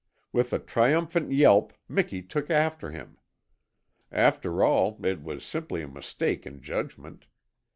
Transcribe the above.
With a triumphant yelp Miki took after him. After all, it was simply a mistake in judgment.